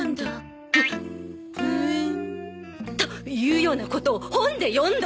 ふーん。というようなことを本で読んだのよ。